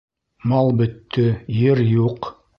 Мал бөттө, ер юҡ...